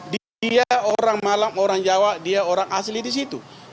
dia orang malang orang jawa dia orang asli di situ